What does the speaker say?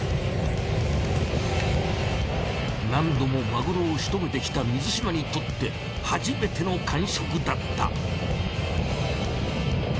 何度もマグロをしとめてきた水嶋にとって初めての感触だった。